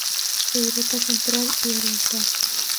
Europa central y oriental.